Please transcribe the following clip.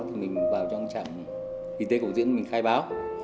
thì mình vào trong trạm y tế cầu diễn mình khai báo